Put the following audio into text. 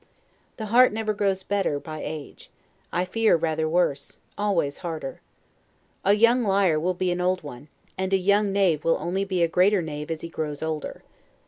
The heart never grows better by age; I fear rather worse; always harder. A young liar will be an old one; and a young knave will only be a greater knave as he grows older.